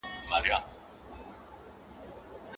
هغې مخکي لا په خپلو کارونو کي د توازن ساتلو هڅه کړې وه.